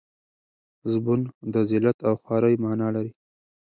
زبون د ذلت او خوارۍ مانا لري.